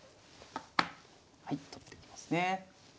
はい取っていきますね。